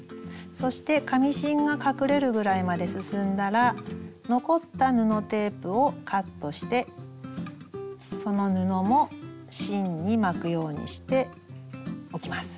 そして紙芯が隠れるぐらいまで進んだら残った布テープをカットしてその布も芯に巻くようにしておきます。